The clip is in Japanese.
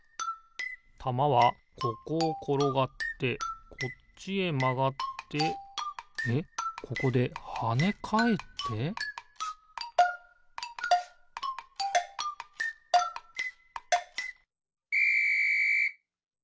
たまはここをころがってこっちへまがってえっここではねかえってピッ！